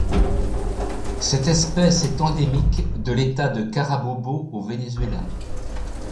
Cette espèce est endémique de l'État de Carabobo au Venezuela.